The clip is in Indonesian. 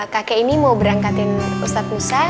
kakek ini mau berangkatin ustadz